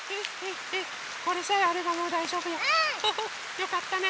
よかったね。